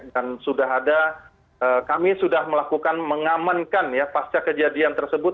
sudah ada kami sudah melakukan mengamankan ya pasca kejadian tersebut